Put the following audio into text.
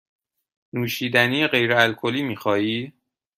نوشیدنی غیر الکلی می خواهی؟